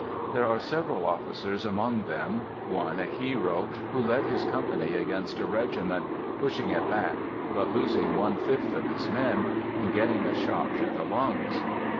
There are several officers among them; one a hero, who led his company against a regiment, pushing it back, but losing one fifth of his men, and getting a shot through the lungs.